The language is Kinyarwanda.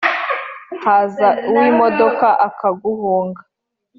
Haza uwimodoka akaguhunga